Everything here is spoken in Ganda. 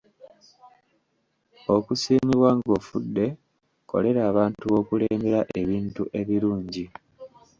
Okusiimibwa ng'ofudde, kolera abantu b'okulembera ebintu ebirungi.